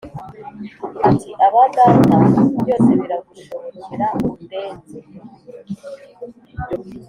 Ati aba data byose biragushobokera undenze